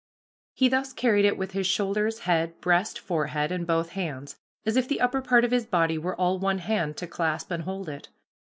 He thus carried it with his shoulders, head, breast, forehead, and both hands, as if the upper part of his body were all one hand to clasp and hold it.